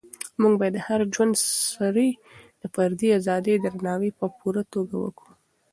موږ باید د هر ژوندي سري د فردي ازادۍ درناوی په پوره توګه وکړو.